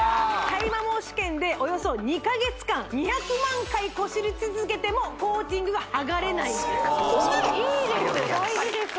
耐摩耗試験でおよそ２カ月間２００万回こすり続けてもコーティングが剥がれないいいです大事です